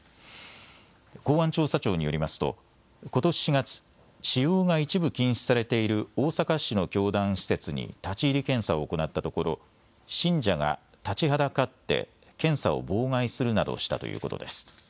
公安調査庁によりますとことし４月、使用が一部禁止されている大阪市の教団施設に立ち入り検査を行ったところ信者が立ちはだかって検査を妨害するなどしたということです。